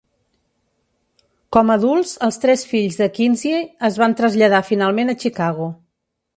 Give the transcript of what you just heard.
Com adults, els tres fills de Kinzie es van traslladar finalment a Chicago.